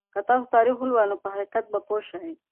که تاسو تاریخ ولولئ نو په حقیقت به پوه شئ.